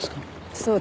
そうです。